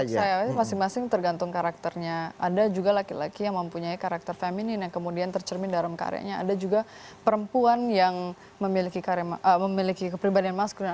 saya masing masing tergantung karakternya ada juga laki laki yang mempunyai karakter feminin yang kemudian tercermin dalam karyanya ada juga perempuan yang memiliki kepribadian masker